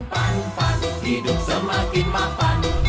pan pan hidup semakin mapan